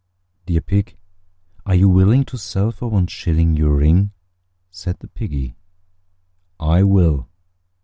III. "Dear Pig, are you willing to sell for one shilling Your ring?" Said the Piggy, "I will."